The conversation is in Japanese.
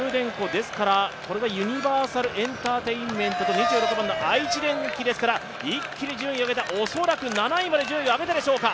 ですから、これがユニバーサルエンターテインメントと愛知電機ですから一気に順位を上げた、恐らく７位まで順位を上げたでしょうか。